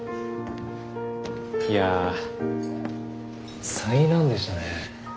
いや災難でしたね。